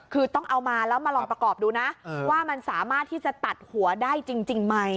คือต้องเอามาแล้วมาลองประกอบดูนะว่ามันสามารถที่จะตัดหัวได้จริงไหม